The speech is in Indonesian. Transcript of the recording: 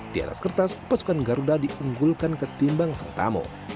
di atas kertas pasukan garuda diunggulkan ketimbang sang tamu